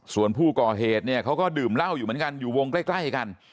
ส่วนผู้ก่อเหตุเนี่ยเขาก็ดื่มเหล้าอยู่เหมือนกันอยู่วงใกล้กัน